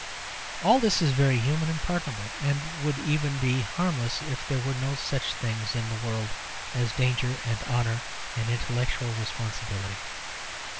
All this is very human and pardonable, and would be even harmless if there were no such things in the world as danger and honour and intellectual responsibility.